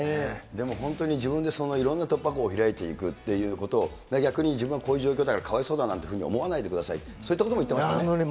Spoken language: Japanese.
でも本当自分でいろんな突破口を開いていくっていうこと、逆に自分はこういう状況であるということをかわいそうだなんていうふうに思わないでくださいって、そういったことも言ってましたね。